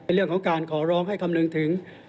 เรื่องของการขอร้องให้คำนึงถึง